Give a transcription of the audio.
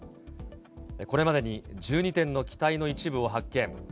これまでに１２点の機体の一部を発見。